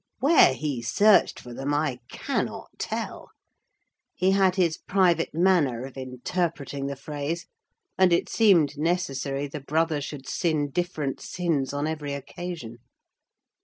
Where he searched for them, I cannot tell. He had his private manner of interpreting the phrase, and it seemed necessary the brother should sin different sins on every occasion.